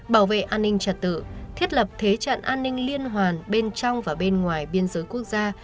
bảo vệ an ninh trật tự thiết lập thế trận an ninh liên hoàn bên trong và bên ngoài biên giới quốc gia